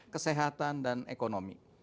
kesehatan dan ekonomi